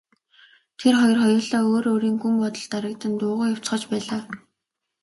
Тэр хоёр хоёулаа өөр өөрийн гүн бодолд дарагдан дуугүй явцгааж байлаа.